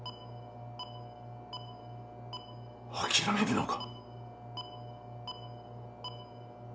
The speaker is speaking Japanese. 諦めるのか？